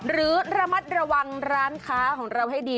หรือระมัดระวังร้านค้าของเราให้ดี